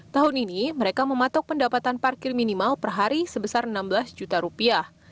tahun ini mereka mematok pendapatan parkir minimal per hari sebesar enam belas juta rupiah